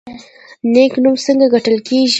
نیک نوم څنګه ګټل کیږي؟